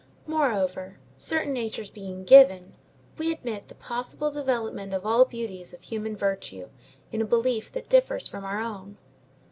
Moreover, certain natures being given, we admit the possible development of all beauties of human virtue in a belief that differs from our own.